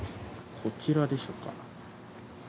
こちらでしょうか？